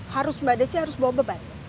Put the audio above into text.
harus mbak desi harus bawa beban